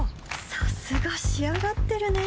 さすが仕上がってるね